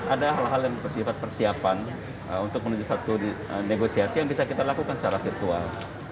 ada hal hal yang bersifat persiapan untuk menuju satu negosiasi yang bisa kita lakukan secara virtual